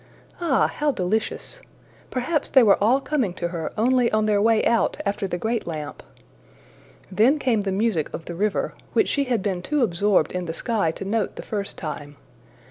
Ah, how delicious! Perhaps they were all coming to her only on their way out after the great lamp! Then came the music of the river, which she had been too absorbed in the sky to note the first time.